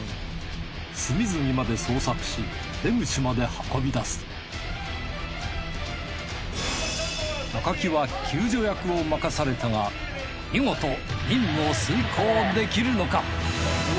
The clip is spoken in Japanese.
隅々まで捜索し出口まで運び出す木は救助役を任されたが見事任務を遂行できるのか！？